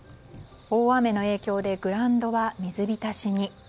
大雨の影響でグラウンドは水浸しに。